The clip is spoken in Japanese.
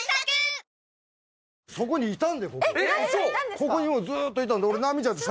ここにずっといたんで。